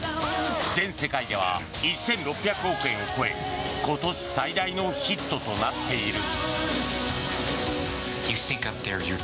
全世界では１６００億円を超え今年最大のヒットとなっている。